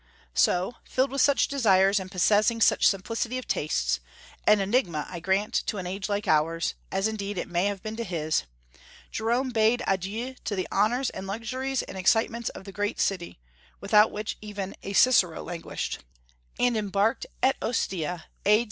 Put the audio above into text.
So, filled with such desires, and possessing such simplicity of tastes, an enigma, I grant, to an age like ours, as indeed it may have been to his, Jerome bade adieu to the honors and luxuries and excitements of the great city (without which even a Cicero languished), and embarked at Ostia, A.